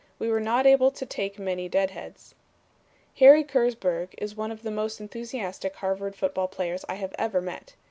We were not able to take many deadheads." Harry Kersburg is one of the most enthusiastic Harvard football players I have ever met.